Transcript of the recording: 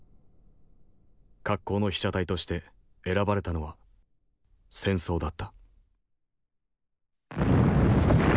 格好の被写体として選ばれたのは戦争だった。